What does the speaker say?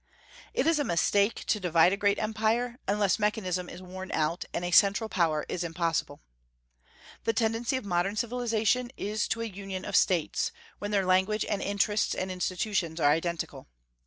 It is a mistake to divide a great empire, unless mechanism is worn out, and a central power is impossible. The tendency of modern civilization is to a union of States, when their language and interests and institutions are identical.